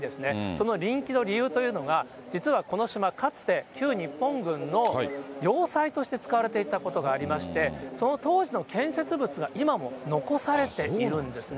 その人気の理由というのが、実はこの島、かつて旧日本軍の要塞として使われていたことがありまして、その当時の建設物が今も残されているんですね。